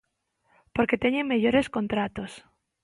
Porque teñen mellores contratos.